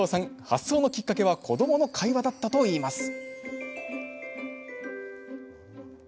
発想のきっかけは子どもの会話だったといいます。